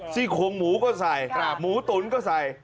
ซี่โครงหมูก็ใส่หมูตุ๋นก็ใส่